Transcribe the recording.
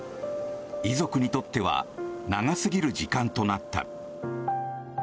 遺族にとっては長すぎる時間となった。